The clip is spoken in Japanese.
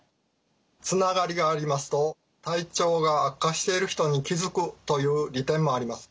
つながりがありますと体調が悪化している人に気づくという利点もあります。